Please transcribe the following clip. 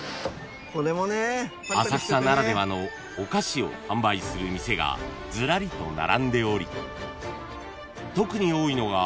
［浅草ならではのお菓子を販売する店がずらりと並んでおり特に多いのが］